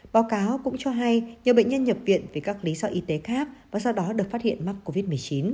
báo cáo cũng cho hay nhiều bệnh nhân nhập viện vì các lý do y tế khác và sau đó được phát hiện mắc covid một mươi chín